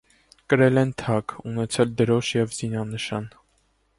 Կրել են թագ, ունեցել դրոշ և զինանշան։